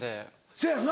せやよな。